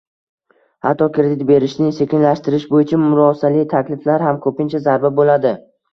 Hatto kredit berishni sekinlashtirish bo'yicha murosali takliflar ham ko'pincha zarba bo'ladi